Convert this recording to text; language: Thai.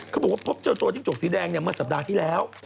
เขาบอกว่าพบเจอตัวจิ้งจกสีแดงเมื่อสัปดาห์ที่แล้ว